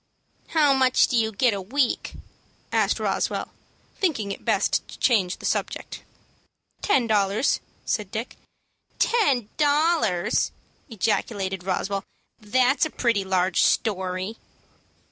"How much do you get a week?" asked Roswell, thinking it best to change the subject. "Ten dollars," said Dick. "Ten dollars!" ejaculated Roswell. "That's a pretty large story."